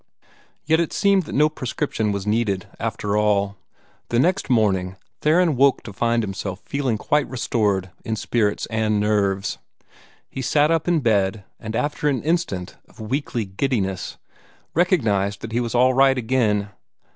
Yet it seemed that no prescription was needed, after all. The next morning Theron woke to find himself feeling quite restored in spirits and nerves. He sat up in bed, and after an instant of weakly giddiness, recognized that he was all right again.